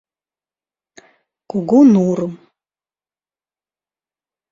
Кугу нурым.